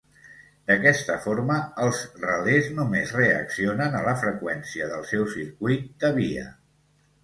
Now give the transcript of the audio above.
D'aquesta forma els relés només reaccionen a la freqüència del seu circuit de via.